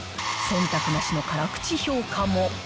そんたくなしの辛口評価も。